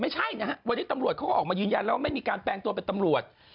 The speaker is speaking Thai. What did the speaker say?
ไม่ใช่นะฮะวันนี้ตำรวจเขาก็ออกมายืนยันแล้วว่าไม่มีการแปลงตัวเป็นตำรวจ